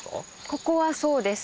ここはそうです。